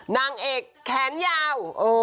นางเอกแขนยาว